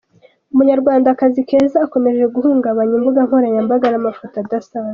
Umunyarwandakazi Keza akomeje guhungabanya imbuga nkoranyambaga n’amafoto adasanzwe.